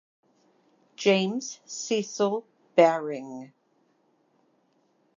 James Cecil Baring.